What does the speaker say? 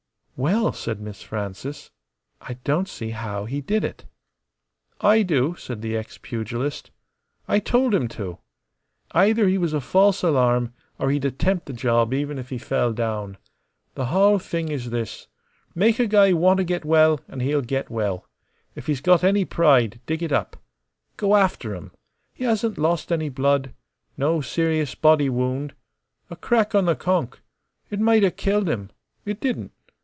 "Well!" said Miss Frances. "I don't see how he did it." "I do," said the ex pugilist. "I told him to. Either he was a false alarm, or he'd attempt the job even if he fell down. The hull thing is this: Make a guy wanta get well an' he'll get well. If he's got any pride, dig it up. Go after 'em. He hasn't lost any blood. No serious body wound. A crack on the conk. It mighta killed him. It didn't.